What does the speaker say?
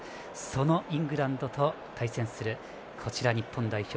そのイングランドと対戦する日本代表。